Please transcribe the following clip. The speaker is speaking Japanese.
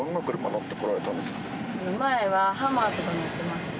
前はハマーとか乗ってました。